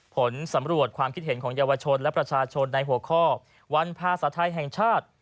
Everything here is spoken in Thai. ผลสำรวจความคิดเห็นของเยาวชนและประชาชนในหัวข้อวันภาษาไทยแห่งชาติ